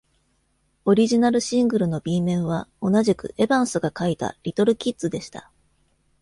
オリジナル・シングルの B 面は、同じくエヴァンスが書いた「リトル・キッズ」でした。